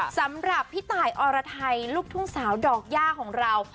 สำหรับพี่ตายอรไทยลูกทุ่งสาวดอกย่าของเรา